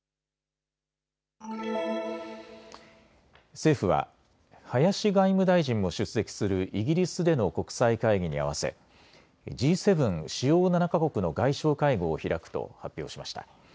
政府は林外務大臣も出席するイギリスでの国際会議に合わせＧ７・主要７か国の外相会合を開くと発表しました。